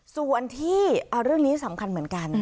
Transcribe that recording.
ส่วนที่เรื่องนี้สำคัญเหมือนกัน